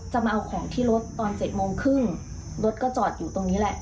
มาเอาของที่รถตอน๗โมงครึ่งรถก็จอดอยู่ตรงนี้แหละ